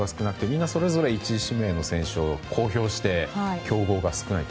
みんなそれぞれ１位指名の選手を公表して、競合が少ない。